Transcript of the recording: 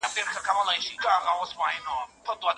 ماته مي پیاله کړه میخانې را پسي مه ګوره